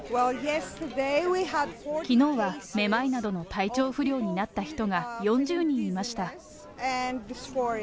きのうは、めまいなどの体調不良になった人が４０人いました。